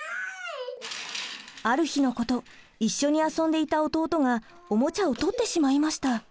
ある日のこと一緒に遊んでいた弟がおもちゃをとってしまいました。